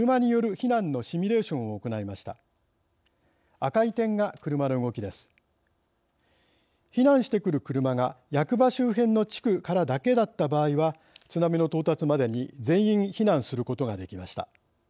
避難してくる車が役場周辺の地区からだけだった場合は津波の到達までに全員避難することができました。